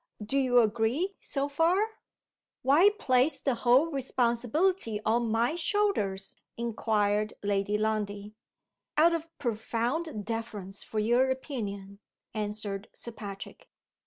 Do you agree, so far?" "Why place the whole responsibility on my shoulders?" inquired Lady Lundie. "Out of profound deference for your opinion," answered Sir Patrick.